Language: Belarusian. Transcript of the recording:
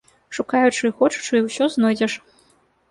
Шукаючы і хочучы, усё знойдзеш.